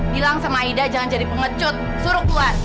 bilang sama aida jangan jadi pengecut suruh keluar